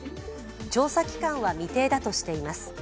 調査期間は未定だとしています。